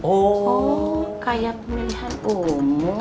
oh kayak pemilihan umum